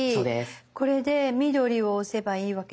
これで緑を押せばいいわけですね。